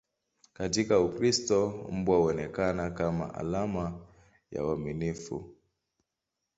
Katika Ukristo, mbwa huonekana kama alama ya uaminifu.